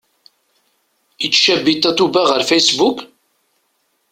Ittcabi Tatoeba ɣer Facebook?